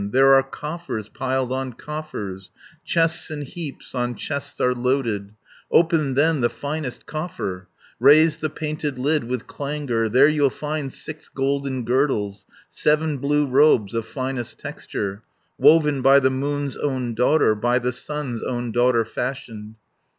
There are coffers piled on coffers, Chests in heaps on chests are loaded, 130 Open then the finest coffer, Raise the painted lid with clangour, There you'll find six golden girdles, Seven blue robes of finest texture, Woven by the Moon's own daughter, By the Sun's own daughter fashioned.